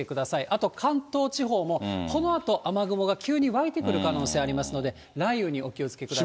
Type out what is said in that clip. あと、関東地方もこのあと雨雲が急に湧いてくる可能性ありますので、雷雨にお気をつけください。